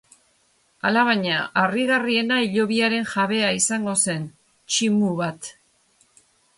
Alabaina, harrigarriena hilobiaren jabea izango zen, tximu bat.